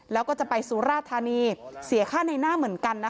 แล้วก็จะไปสุราธานีเสียค่าในหน้าเหมือนกันนะคะ